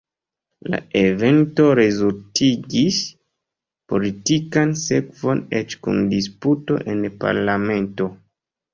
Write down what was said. La evento rezultigis politikan sekvon eĉ kun disputo en la Parlamento.